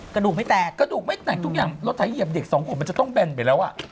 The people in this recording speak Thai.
กระดูกไม่แตกกระดูกไม่แตกทุกอย่างรถไถเหยียบเด็กสองคนมันจะต้องแบนไปแล้วอ่ะ